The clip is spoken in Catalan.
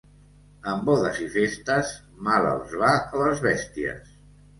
En bodes i festes, mal els va a les bèsties.